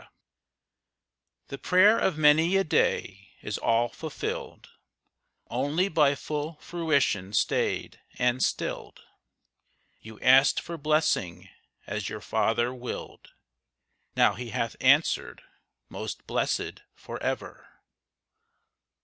_) The prayer of many a day is all fulfilled, Only by full fruition stayed and stilled; You asked for blessing as your Father willed, Now He hath answered: 'Most blessed for ever!'